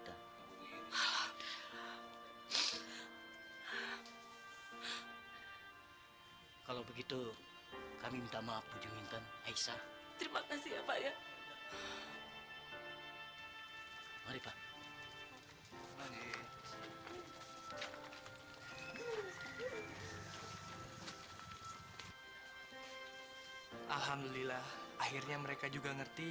kesalahan ini sampai kedua kalinya sama pak janji sama pak janji